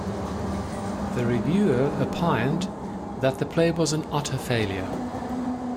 The reviewer opined that the play was an utter failure.